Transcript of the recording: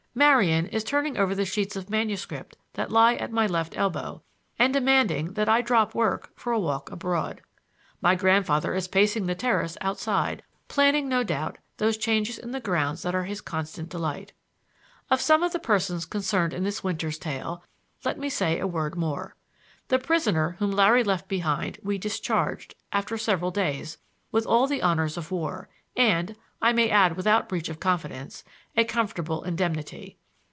Marian is turning over the sheets of manuscript that lie at my left elbow, and demanding that I drop work for a walk abroad. My grandfather is pacing the terrace outside, planning, no doubt, those changes in the grounds that are his constant delight. Of some of the persons concerned in this winter's tale let me say a word more. The prisoner whom Larry left behind we discharged, after several days, with all the honors of war, and (I may add without breach of confidence) a comfortable indemnity.